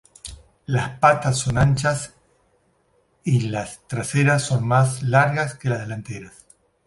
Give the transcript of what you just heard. Las patas son anchas y las traseras son más largas que las delanteras.